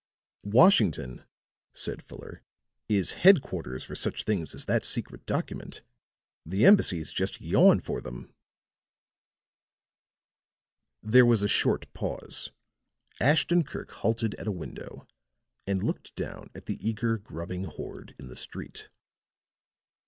"Washington," said Fuller, "is headquarters for such things as that secret document. The embassies just yawn for them." There was a short pause; Ashton Kirk halted at a window, and looked down at the eager, grubbing horde in the street.